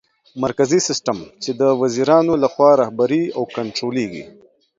مرکزي سیستم : چي د وزیرانو لخوا رهبري او کنټرولېږي